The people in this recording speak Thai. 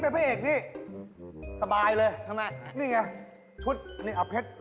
นางเอกลิเกยคือคุณเมศา